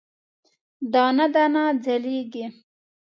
دانه، دانه ځلیږې